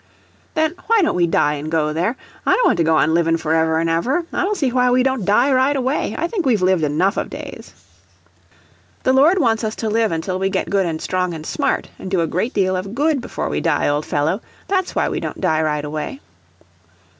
"Then why don't we die an' go there? I don't want to go on livin' forever an' ever. I don't see why we don't die right away; I think we've lived enough of days." "The Lord wants us to live until we get good and strong and smart, and do a great deal of good before we die, old fellow that's why we don't die right away."